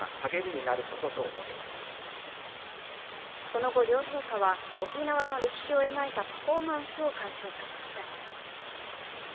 その後、両陛下は沖縄の歴史を描いたパフォーマンスを鑑賞されました。